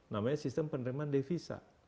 namanya sistem penerimaan devisa